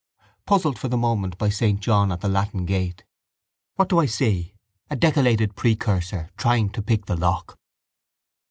Puzzled for the moment by saint John at the Latin gate. What do I see? A decollated precursor trying to pick the lock.